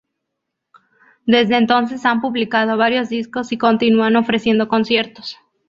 Desde entonces han publicado varios discos y continúan ofreciendo conciertos.